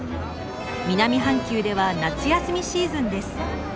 南半球では夏休みシーズンです。